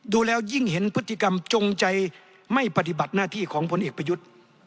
ดูแล้วยิ่งเห็นพฤติกรรมจงใจไม่ปฏิบัติหน้าที่ของพลเอกประยุทธ์